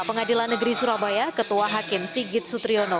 pengadilan negeri surabaya ketua hakim sigit sutriono